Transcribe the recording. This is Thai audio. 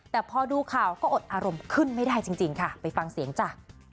แต่พอดูข่าวก็อดอารมณ์ขึ้นไม่ได้จริงค่ะไปฟังเสียงจ้ะ